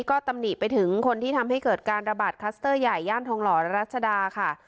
ก็ตำหนิไปถึงคนที่ทำให้เกิดการระบาดคัสเตอร์ใหญ่ย่านทองหล่อรัชดาค่ะ